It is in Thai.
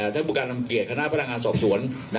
เทพล์กรรมเกียรติคณะพนักงานสอบสวน